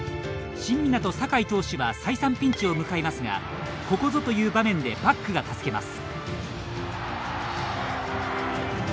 新湊酒井投手は再三ピンチを迎えますがここぞという場面でバックが助けます。